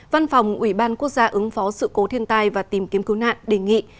văn phòng ủy ban quốc gia ứng phó sự cố thiên tai và tìm kiếm cứu nạn đề nghị